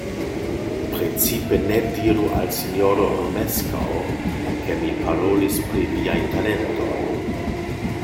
Precipe ne diru al sinjoro Romeskaŭ, ke mi parolis pri viaj talentoj.